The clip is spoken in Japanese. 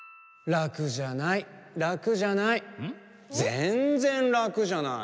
・ぜんぜんラクじゃない。